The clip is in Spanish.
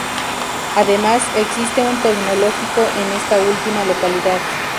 Además, existe un Tecnológico en esta última localidad.